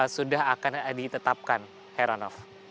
sudah akan ditetapkan heranov